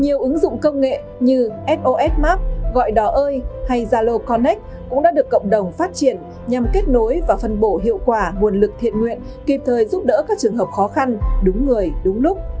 nhiều ứng dụng công nghệ như sos map gọi đò ơi hay zalo connec cũng đã được cộng đồng phát triển nhằm kết nối và phân bộ hiệu quả nguồn lực thiện nguyện kịp thời giúp đỡ các trường hợp khó khăn đúng người đúng lúc